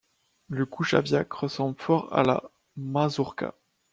Le kujawiak ressemble fort à la mazurka.